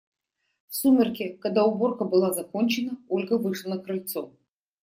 В сумерки, когда уборка была закончена, Ольга вышла на крыльцо.